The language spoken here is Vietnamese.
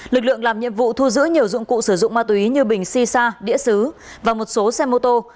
lực lượng làm nhiệm vụ thu giữ nhiều dụng cụ sử dụng ma túy như bình shisha đĩa xứ và một số xe mô tô